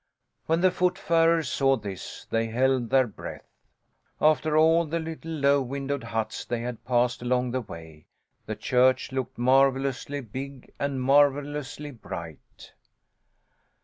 When the foot farers saw this, they held their breath. After all the little, low windowed huts they had passed along the way, the church looked marvellously big and marvellously bright.